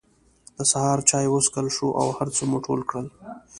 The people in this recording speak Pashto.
د سهار چای وڅکل شو او هر څه مو ټول کړل.